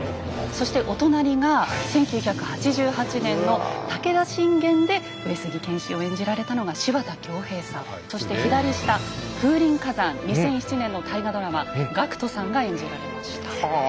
そしてお隣が１９８８年の「武田信玄」で上杉謙信を演じられたのがそして左下「風林火山」２００７年の大河ドラマＧＡＣＫＴさんが演じられました。